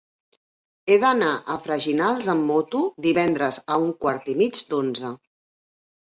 He d'anar a Freginals amb moto divendres a un quart i mig d'onze.